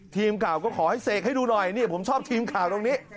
ทีมข่าวก็ขอให้เสกให้ดูหน่อยนี่ผมชอบทีมข่าวตรงนี้